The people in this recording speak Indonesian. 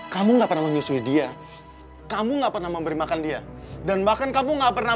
kamu nggak pernah menyusui dia kamu nggak pernah memberi makan dia dan bahkan kamu nggak pernah